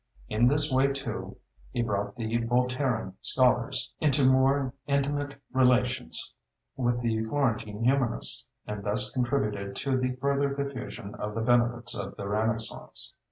In this way, too, he brought the Volterran scholars into more intimate relations with the Florentine humanists, and thus contributed to the further diffusion of the benefits of the Renaissance.